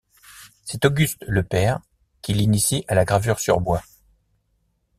C'est Auguste Lepère qui l'initie à la gravure sur bois.